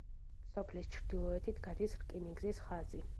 სოფლის ჩრდილოეთით გადის რკინიგზის ხაზი.